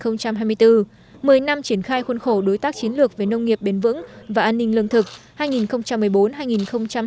một mươi bốn triển khai khuôn khổ đối tác chiến lược về nông nghiệp bền vững và an ninh lương thực hai nghìn một mươi bốn hai nghìn hai mươi